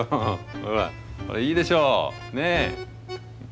ほらいいでしょうねえ。